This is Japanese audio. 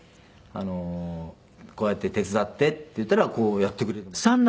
あの「こうやって手伝って」って言ったらこうやってくれてました。